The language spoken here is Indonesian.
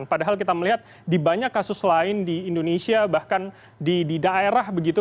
padahal kita melihat di banyak kasus lain di indonesia bahkan di daerah begitu